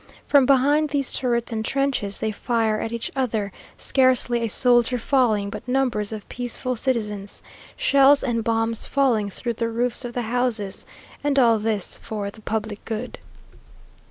From behind these turrets and trenches they fire at each other, scarcely a soldier falling, but numbers of peaceful citizens; shells and bombs falling through the roofs of the houses, and all this for "the public good."